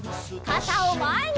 かたをまえに！